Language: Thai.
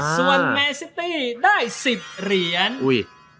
ส่วนเซตตี้ได้๑๐เหรียญ